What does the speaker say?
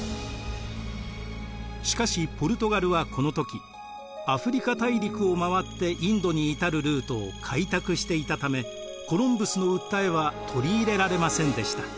しかしポルトガルはこの時アフリカ大陸を回ってインドに至るルートを開拓していたためコロンブスの訴えは取り入れられませんでした。